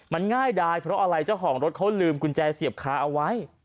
มันง่ายดายเพราะอะไรเจ้าของรถเขาลืมกุญแจเสียบคาเอาไว้